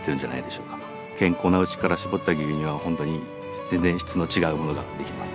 健康な牛から搾った牛乳は本当に全然質の違うものができます。